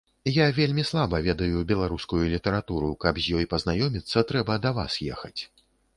Я вельмі слаба ведаю беларускую літаратуру, каб з ёй пазнаёміцца, трэба да вас ехаць.